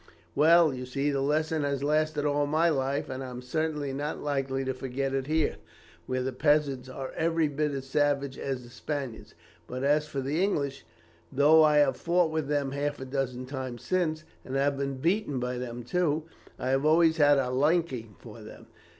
"Well, you see, that lesson has lasted all my life; and I am certainly not likely to forget it here, where the peasants are every bit as savage as the Spaniards. But as for the English, though I have fought with them half a dozen times since, and have been beaten by them too, I have always had a liking for them.